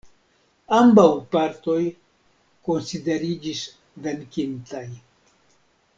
Ambaŭ partoj konsideriĝis venkintaj.